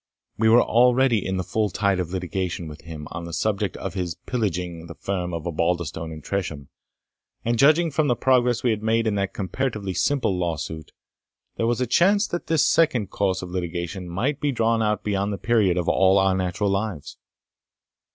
We were already in the full tide of litigation with him on the subject of his pillaging the firm of Osbaldistone and Tresham; and, judging from the progress we made in that comparatively simple lawsuit, there was a chance that this second course of litigation might be drawn out beyond the period of all our natural lives.